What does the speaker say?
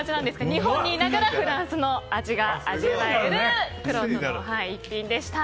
日本にいながらフランスの味が味わえるくろうとの逸品でした。